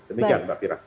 demikian mbak fira